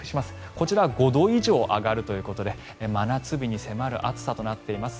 こちらは５度以上上がるということで真夏日に迫る暑さとなっています。